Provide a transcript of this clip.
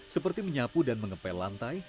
seperti menyapu dan mengepel lantai